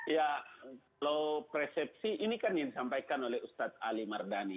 ya kalau persepsi ini kan yang disampaikan oleh ustadz ali mardani